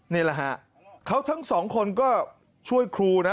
นี่แหละครับเขาทั้ง๒คนก็ช่วยครูนะ